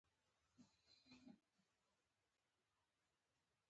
د شېخ عیسي مشواڼي په هکله ډېر معلومات نه دي تر لاسه سوي دي.